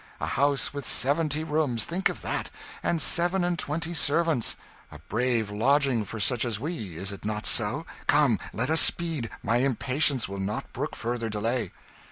A house with seventy rooms think of that! and seven and twenty servants! A brave lodging for such as we, is it not so? Come, let us speed my impatience will not brook further delay."